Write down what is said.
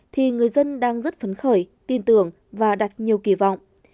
thì người dân đang rất phấn khởi tin tưởng và đặt nhiều kỳ vọng